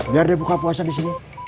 biar dia buka puasa di sini